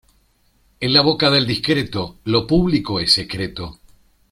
En la boca del discreto lo público es secreto.